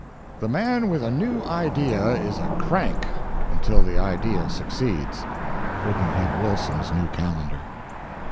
The man with a new idea is a Crank until the idea succeeds. Pudd'nhead Wilson's New Calendar.